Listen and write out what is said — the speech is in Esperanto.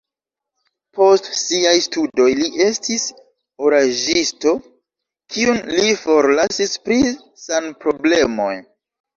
Post siaj studoj li estis oraĵisto, kiun li forlasis pri sanproblemoj.